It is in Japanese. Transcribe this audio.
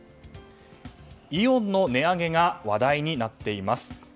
イオンの値上げが話題になっています。